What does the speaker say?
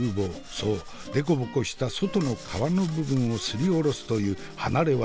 そうデコボコした外の皮の部分をすりおろすという離れ業。